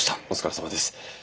お疲れさまです。